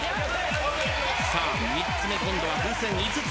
さあ３つ目今度は風船５つ泉さん！